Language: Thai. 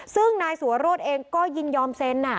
ซึ่งนายสัวโรธเองก็ยินยอมเซ็น